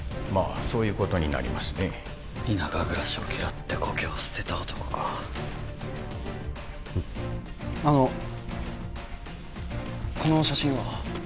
まあそういうことになりますね田舎暮らしを嫌って故郷を捨てた男かうんあのこの写真は？